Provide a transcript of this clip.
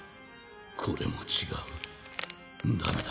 これも違う。